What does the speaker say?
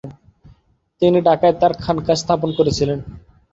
তিনি ঢাকায় তার খানকাহ স্থাপন করেছিলেন।